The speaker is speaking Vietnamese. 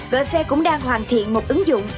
gọi xe cũng đang hoàn thiện một ứng dụng